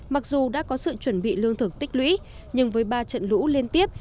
mặc dù đã có sự chuẩn bị lương thực tích lũy nhưng với ba trận lũ liên tiếp